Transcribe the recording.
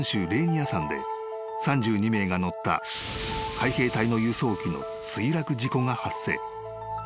［３２名が乗った海兵隊の輸送機の墜落事故が発生］